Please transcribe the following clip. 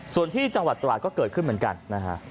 ส่วนที่จังหวัดตราดก็เกิดขึ้นเหมือนกันนะฮะ